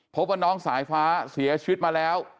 พบว่าน้องสายฟ้าเสียชีวิตมาแล้ว